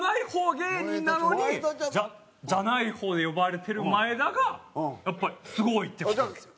芸人なのにじゃない方へ呼ばれてる前田がやっぱりすごいって事ですよ。